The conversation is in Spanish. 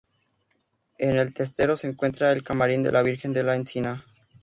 En el testero se encuentra el camarín de la Virgen de La Encina.